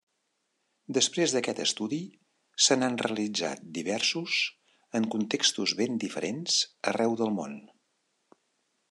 Després d’aquest estudi se n’han realitzat diversos en contextos ben diferents arreu del món.